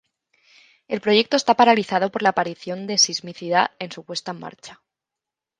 El proyecto está paralizado por la aparición de sismicidad en su puesta en marcha.